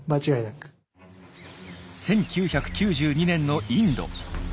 １９９２年のインド。